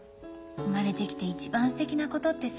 生まれてきて一番すてきなことってさ